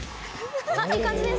いい感じです！